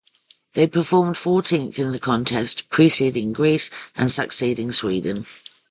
They performed fourteenth in the contest, preceding Greece, and succeeding Sweden.